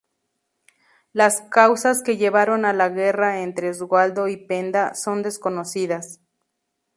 Las causas que llevaron a la guerra entre Oswaldo y Penda son desconocidas.